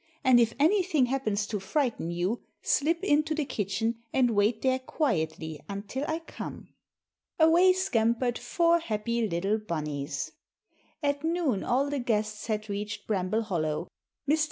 And if anything happens to frighten you slip into the kitchen and wait there quietly until I come." Away scampered four happy little Bunnies. At noon all the guests had reached Bramble Hollow. Mr.